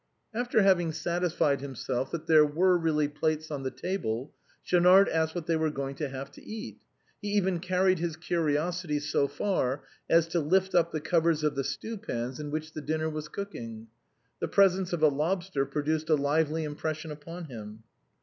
After having satisfied himself that there were really plates on the table, Schaunard asked what they were going to have to eat. He even carried his curiosity so far as to lift up the covers of the stewpans in which the dinner was cooking. The presence of a lobster produced a lively impression upon him.